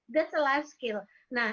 itu adalah kemampuan hidup